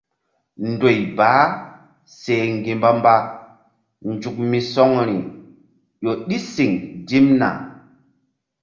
Ndoy baah seh ŋgi̧ mbambazuk misɔŋri ƴo ɗi siŋ dimna.